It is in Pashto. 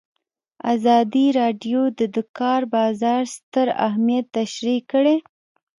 ازادي راډیو د د کار بازار ستر اهميت تشریح کړی.